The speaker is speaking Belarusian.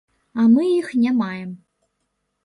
А мы іх не маем.